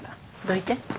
どいて。